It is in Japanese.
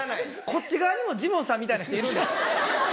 こっち側にもジモンさんみたいな人いるんですね。